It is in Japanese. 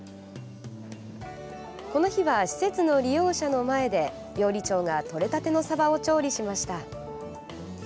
この日は、施設の利用者の前で料理長が取れたてのサバを調理しました。